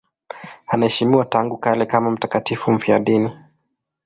Anaheshimiwa tangu kale kama mtakatifu mfiadini.